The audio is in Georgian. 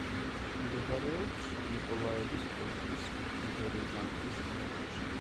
მდებარეობს ნიკოლაევის ოლქის ბერეზანკის რაიონში.